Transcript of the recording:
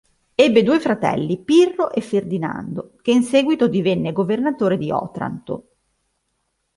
Ebbe due fratelli: Pirro e Ferdinando, che in seguito divenne governatore di Otranto.